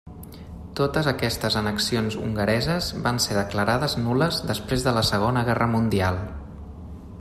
Totes aquestes annexions hongareses van ser declarades nul·les després de la Segona Guerra Mundial.